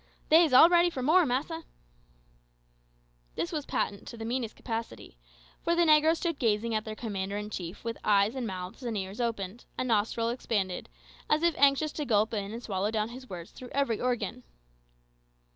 "They's all ready for more, massa." This was patent to the meanest capacity; for the negroes stood gazing at their commander in chief with eyes and mouths and ears open, and nostrils expanded, as if anxious to gulp in and swallow down his words through every organ.